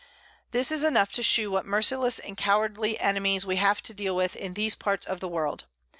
This is enough to shew what merciless and cowardly Enemies we have to deal with in these Parts of the World.